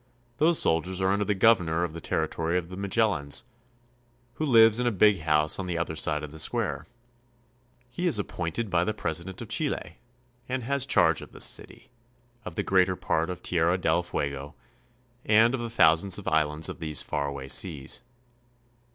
Those soldiers are under the governor of the territory of the Magellans, who lives in a big house on the other side of the square. He is appointed by the president of Chile, and has charge of this city, of the greater part of Tierra del Fuego, and of the thousands of islands of these far away seas.